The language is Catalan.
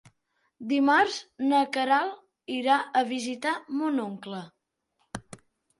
Dimarts na Queralt irà a visitar mon oncle.